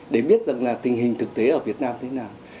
để biết rằng là tình hình thực tế ở việt nam thế nào